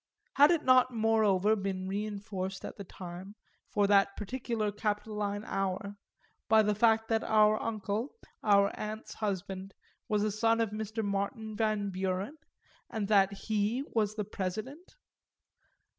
Had it not moreover been reinforced at the time, for that particular Capitoline hour, by the fact that our uncle, our aunt's husband, was a son of Mr. Martin Van Buren, and that he was the President?